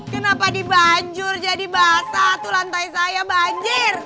kenapa di banjur jadi basah tuh lantai saya banjir